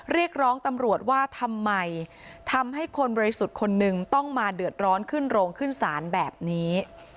เรียกร้องตำรวจว่าทำไมทำให้คนบริสุทธิ์คนนึงต้องมาเดือดร้อนขึ้นโรงขึ้นศาลแบบนี้